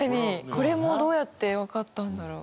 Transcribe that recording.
これもどうやってわかったんだろう。